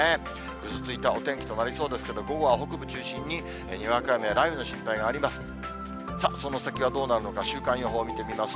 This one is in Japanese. ぐずついたお天気となりそうですけれども、午後は北部中心に、にわか雨や雷雨の心配があります。